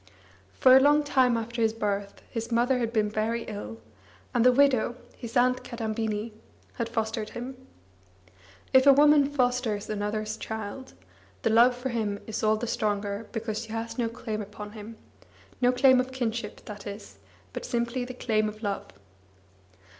Far a long time after his birth, his mother had been very ill, and the widow, his aunt Kadambini, had fostered him. If a woman fosters another's child, her love for him is all the stronger because she has no claim upon him no claim of kinship, that is, but simply the claim of love.